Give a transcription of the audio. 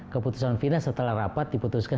keputusan fina setelah rapat diputuskan